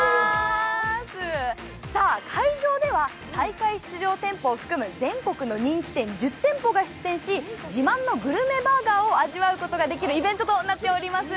会場では大会出場店舗を含む全国の人気店１０店舗が出店し、自慢のグルメバーガーを味わうことのできるイベントになっています。